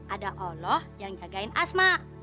ada allah yang jagain ⁇ asma